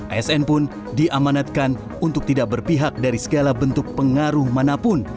asn pun diamanatkan untuk tidak berpihak dari segala bentuk pengaruh manapun